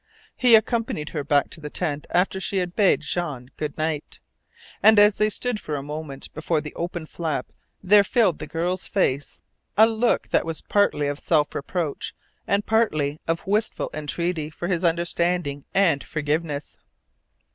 He accompanied her back to the tent after she had bade Jean good night, and as they stood for a moment before the open flap there filled the girl's face a look that was partly of self reproach and partly of wistful entreaty for his understanding and forgiveness.